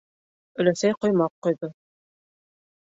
Өләсәй ҡоймаҡ ҡойҙо.